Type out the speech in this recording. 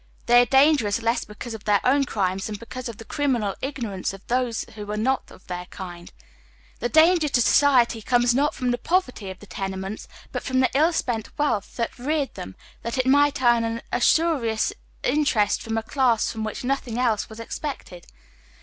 They are dangerous less because of their own crimes than because of the criminal ignorance of tlioae who are not of their kind. The danger to society cornea not from the poverty of the tenements, but from the ill spent wealth that reared them, that it might earn a oyGoogle 266 now THE OTHBE HALF LIVES. usurious interest from a class from wliicii " iiotliing else was expected."